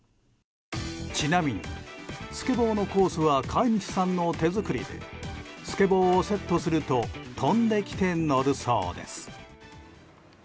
ちなみに、スケボーのコースは飼い主さんの手作りでスケボーをセットすると飛んできて乗るそうです。